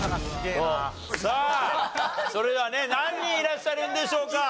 さあそれではね何人いらっしゃるんでしょうか？